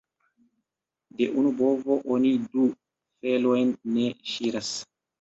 De unu bovo oni du felojn ne ŝiras.